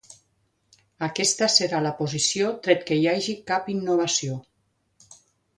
Aquesta serà la posició tret que hi hagi cap innovació.